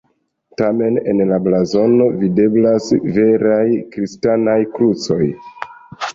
Tamen en la blazono videblas veraj kristanaj krucoj.